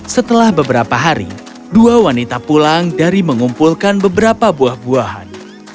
setelah beberapa hari dua wanita pulang dari mengumpulkan beberapa buah buahan